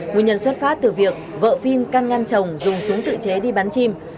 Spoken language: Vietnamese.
nguyên nhân xuất phát từ việc vợ phiên can ngăn chồng dùng súng tự chế đi bắn chim